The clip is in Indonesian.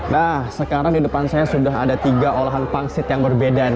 nah sekarang di depan saya sudah ada tiga olahan pangsit yang berbeda